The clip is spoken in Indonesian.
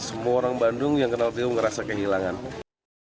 dan semua orang bandung yang kenal beliau juga terkenal dengan alam suami